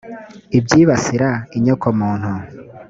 ibyibasira inyoko muntu .